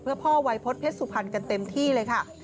เพื่อพ่อวัยพฤษเพชรสุพรรณกันเต็มที่เลยค่ะ